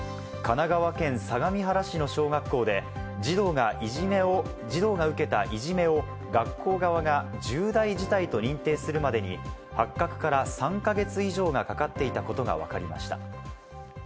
神奈川県相模原市の小学校で児童が受けたいじめを学校側が重大事態と認定するまでに発覚から３か月以上がかかっていたことがわかりました。